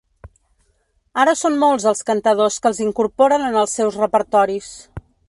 Ara són molts els cantadors que els incorporen en els seus repertoris.